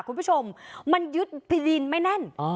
คุณผู้ชมมันยึดดินไม่แน่นอ๋อ